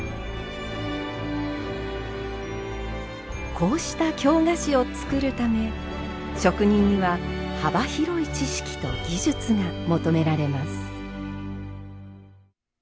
こうした京菓子を作るため職人には幅広い知識と技術が求められます。